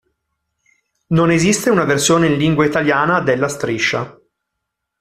Non esiste una versione in lingua italiana della striscia.